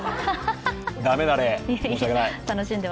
駄目だね、申し訳ない！